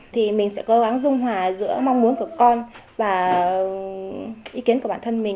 thì mình sẽ cố gắng dung hòa giữa mong muốn của con và ý kiến của bản thân mình